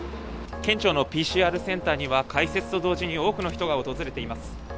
県庁のＰＣＲセンターには、開設と同時に多くの人が訪れています。